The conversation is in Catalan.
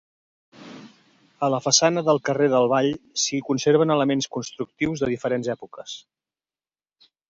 A la façana del carrer del Vall s'hi conserven elements constructius de diferents èpoques.